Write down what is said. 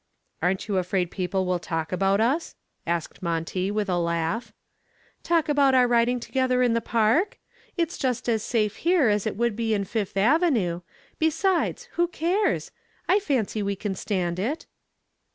"Aren't you afraid people will talk about us?" asked Monty with a laugh. "Talk about our riding together in the park? It's just as safe here as it would be in Fifth Avenue. Besides, who cares? I fancy we can stand it."